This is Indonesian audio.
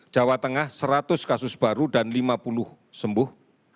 jawa tengah seratus kasus baru dan lima puluh sembuh